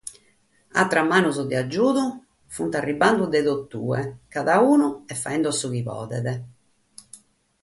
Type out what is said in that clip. Àteras manos de agiudu sunt arribende dae totue, cadaunu est faghende su chi podet.